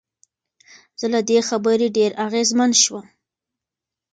زه له دې خبرې ډېر اغېزمن شوم.